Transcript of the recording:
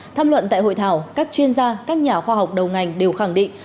tham luận tại hội thảo các chuyên gia các nhà khoa học đầu ngành đều khẳng định